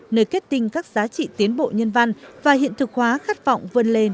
nơi kết tinh các giá trị tiến bộ nhân văn và hiện thực hóa khát vọng vươn lên